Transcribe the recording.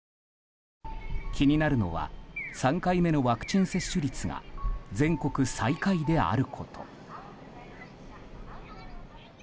気になるのは３回目のワクチン接種率が全国最下位であること。